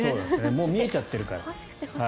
もう見えちゃってるから。